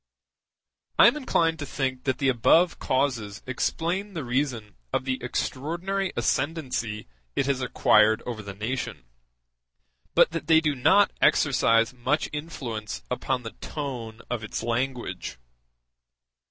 I am inclined to think that the above causes explain the reason of the extraordinary ascendency it has acquired over the nation, but that they do not exercise much influence upon the tone of its language.